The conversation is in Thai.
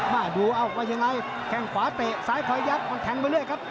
ว่ายังไงแข้งขวานเตะซ้ายคอยยับมันแจงต้องไปเลยครับ